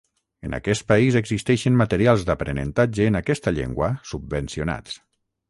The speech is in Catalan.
En aquest país existeixen materials d'aprenentatge en aquesta llengua subvencionats.